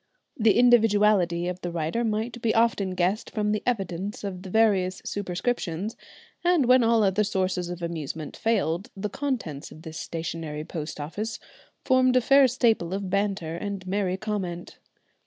The individuality of the writer might be often guessed from the evidence of the various superscriptions, and when all other sources of amusement failed the contents of this stationary post office formed a fair staple of banter and merry comment.